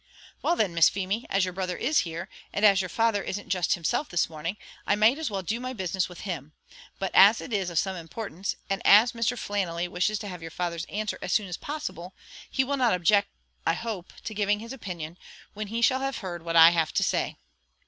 "Well, then, Miss Feemy, as your brother is here, and as your father isn't just himself this morning, I might as well do my business with him; but as it is of some importance, and as Mr. Flannelly wishes to have your father's answer as soon as possible, he will not object, I hope, to giving his opinion, when he shall have heard what I have to say."